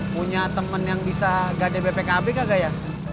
punya temen yang bisa gade bpkb kagak ya